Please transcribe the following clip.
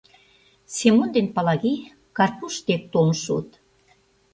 Семон ден Палаги Карпуш дек толын шуыт.